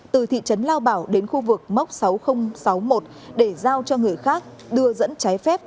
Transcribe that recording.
từ thị trấn lao bảo đến khu vực móc sáu nghìn sáu mươi một để giao cho người khác đưa dẫn trái phép